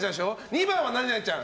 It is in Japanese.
２番は何々ちゃん。